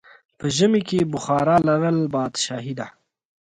په ژمی کې بخارا لرل پادشاهي ده.